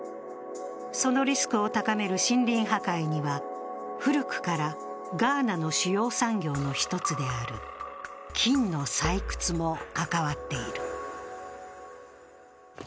そのリスクを高める森林破壊には古くからガーナの主要産業の一つである金の採掘も関わっている。